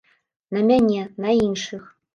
На мяне, на іншых.